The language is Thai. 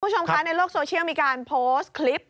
คุณผู้ชมคะในโลกโซเชียลมีการโพสต์คลิป